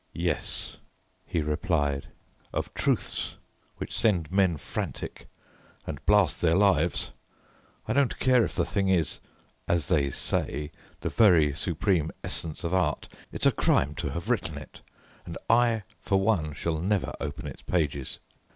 "Yes," he replied, "of 'truths' which send men frantic and blast their lives. I don't care if the thing is, as they say, the very supreme essence of art. It's a crime to have written it, and I for one shall never open its pages."